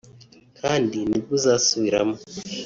kandi nibwo uzasubiramo